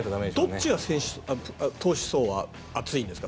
どっちが投手層は厚いんですか？